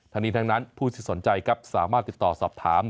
ทางนี้ทางนั้นผู้สิทธิ์สนใจสามารถติดต่อสอบถาม